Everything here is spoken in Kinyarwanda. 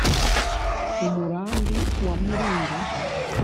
umurambi wa muringa